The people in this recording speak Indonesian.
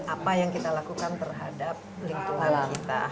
apa yang kita lakukan terhadap lingkungan kita